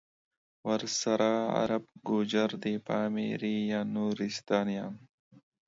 ورسره عرب، گوجر دی پامیریان، نورستانیان